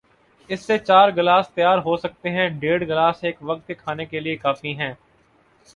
اس سے چار گلاس تیار ہوسکتے ہیں، ڈیڑھ گلاس ایک وقت کے کھانے کے لئے کافی ہیں۔